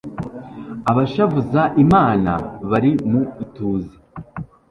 abashavuza imana bari mu ituze